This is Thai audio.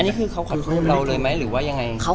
เหมือนนางก็เริ่มรู้แล้วเหมือนนางก็เริ่มรู้แล้ว